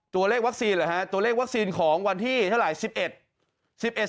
ตัวเลขวัคซีนเหรอฮะตัวเลขวัคซีนของวันที่เท่าไหร่๑๑